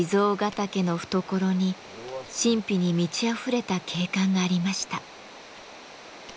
岳の懐に神秘に満ちあふれた景観がありました。